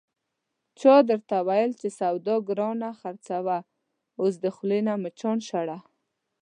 چا درته ویل چې سودا گرانه خرڅوه، اوس د خولې نه مچان شړه...